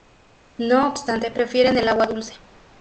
No obstante, prefieren el agua dulce.